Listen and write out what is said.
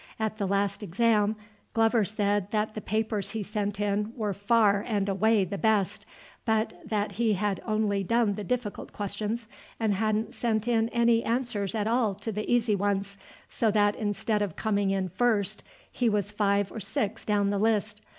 At the last exam Glover said that the papers he sent in were far and away the best, but that he had only done the difficult questions and hadn't sent in any answers at all to the easy ones, so that instead of coming in first he was five or six down the list.